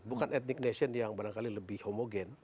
bukan etnic nation yang barangkali lebih homogen